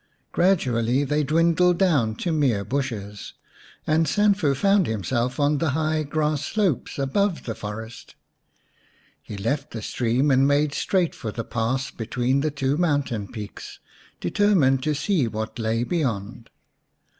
Gradually they dwindled down to mere bushes, and Sanfu found himself on the high grass slopes above the forest. 238 xx The White Dove He left the stream and made straight for the pass between the two mountain peaks, determined to see what lay beyond.